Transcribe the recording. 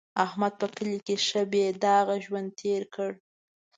احمد په کلي کې ښه بې داغه ژوند تېر کړ.